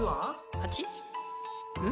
８？ん？